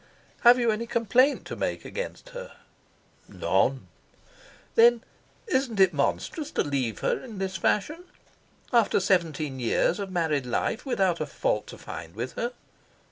"Have you any complaint to make against her?" "None." "Then, isn't it monstrous to leave her in this fashion, after seventeen years of married life, without a fault to find with her?"